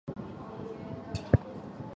因为害怕就不敢想像